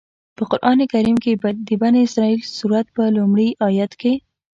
په قرآن کریم کې د بنی اسرائیل سورت په لومړي آيت کې.